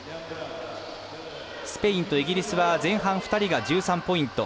スペインとイギリスは前半２人が１３ポイント。